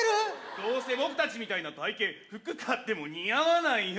どうせ僕達みたいな体形服買っても似合わないよ